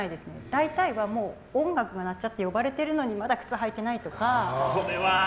大体は、音楽が鳴っちゃって呼ばれているのにまだ靴、履いてないとか。